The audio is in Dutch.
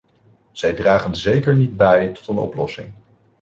Zij dragen zeker niet bij tot een oplossing.